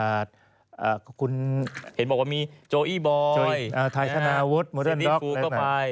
อ่าคุณเห็นบอกว่ามีโจอี้บอยอ่าไทยธนาวุฒิโมเดิร์นล็อคก็ไป